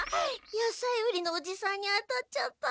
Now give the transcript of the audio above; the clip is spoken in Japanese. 野菜売りのおじさんに当たっちゃった。